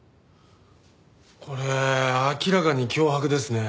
これ明らかに脅迫ですね。